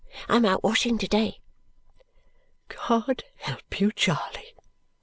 I'm out washing to day." "God help you, Charley!"